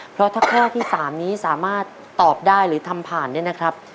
เพราะถ้าข้อที่๓นี้สามารถตอบได้หรือทำผ่านเนี่ยนะครับ